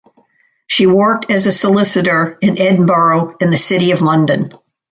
She worked as a solicitor in Edinburgh and the City of London.